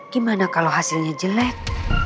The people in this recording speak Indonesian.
gimana kalau hasilnya jelek